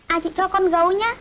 à chị cho con gấu nhé